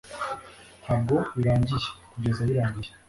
Ntabwo birangiye kugeza birangiye.”